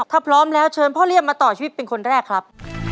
ถ้าพร้อมแล้วเชิญพ่อเลี่ยมมาต่อชีวิตเป็นคนแรกครับ